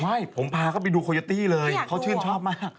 ไม่ผมพาเขาไปดูโคโยตี้เลยเขาชื่นชอบมาก